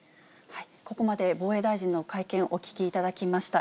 ここまで防衛大臣の会見、お聞きいただきました。